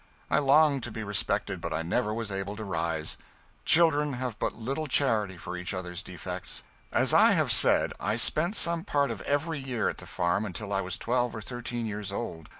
I longed to be respected, but I never was able to rise. Children have but little charity for each other's defects. As I have said, I spent some part of every year at the farm until I was twelve or thirteen years old.